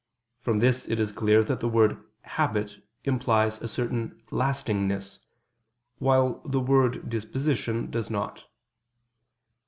From this it is clear that the word "habit" implies a certain lastingness: while the word "disposition" does not.